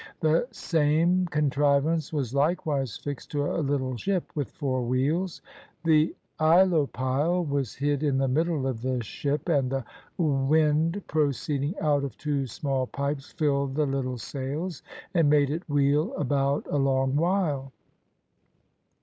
The same contriv ance was likewise fixed to a little ship with four wheels. The aeolipile was hid in the middle of the ship, and the wind proceeding out of two small pipes filled the little sails and made it wheel about a long while.